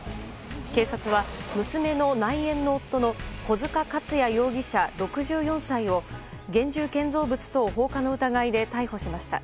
警察は娘の内縁の夫の小塚勝也容疑者、６４歳を現住建造物等放火の疑いで逮捕しました。